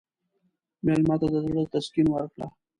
مېلمه ته د زړه تسکین ورکړه.